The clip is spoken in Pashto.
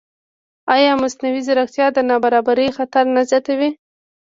ایا مصنوعي ځیرکتیا د نابرابرۍ خطر نه زیاتوي؟